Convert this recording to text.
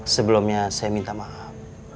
sebelumnya saya minta maaf